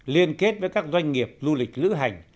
liên kết với các doanh nghiệp du lịch lữ hành